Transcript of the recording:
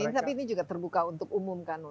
tapi ini juga terbuka untuk umum kan